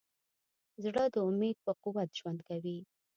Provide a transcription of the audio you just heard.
زړه د امید په قوت ژوند کوي.